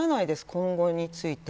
今後について。